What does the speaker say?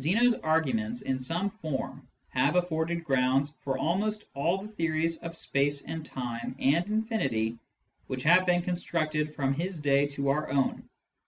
Zeno's arguments, in some form, have afforded grounds for almost all the theories of space and time and infinity which have been constructed from his day to our own.